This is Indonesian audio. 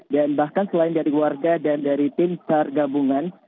dan bahkan selain dari warga dan dari tim seharga bungan